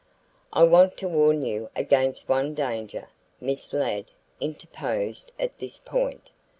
"I want to warn you against one danger," Miss Ladd interposed at this point.